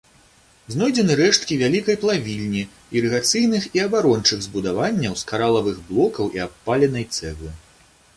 Знойдзены рэшткі вялікай плавільні, ірыгацыйных і абарончых збудаванняў з каралавых блокаў і абпаленай цэглы.